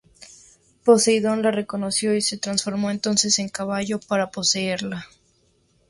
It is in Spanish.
Poseidón la reconoció y se transformó entonces en caballo para poseerla.